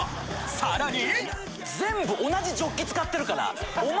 さらに！